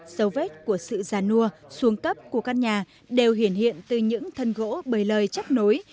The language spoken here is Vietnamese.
dấu vết của sự già nua xuống cấp của căn nhà đều hiện hiện từ những thân gỗ bởi lời chấp nối